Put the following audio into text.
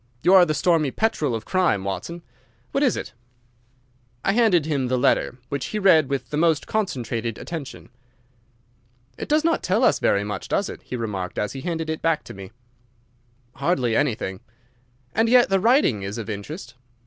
You are the stormy petrel of crime, Watson. What is it?" I handed him the letter, which he read with the most concentrated attention. "It does not tell us very much, does it?" he remarked, as he handed it back to me. "Hardly anything." "And yet the writing is of interest."